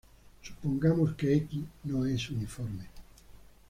Supongamos que "x" no es uniforme.